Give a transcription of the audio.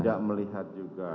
tidak melihat juga